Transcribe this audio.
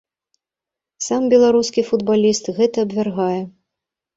Сам беларускі футбаліст гэта абвяргае.